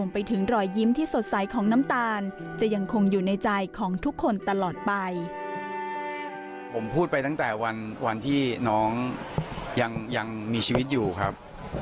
ผมพูดไปตั้งแต่วันที่น้องยังมีชีวิตอยู่ครับ